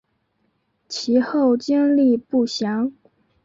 其后经历不详。